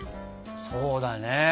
そうだね。